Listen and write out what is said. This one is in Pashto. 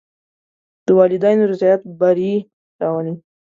د والدینو رضایت بری راولي.